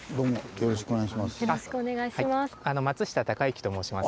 よろしくお願いします。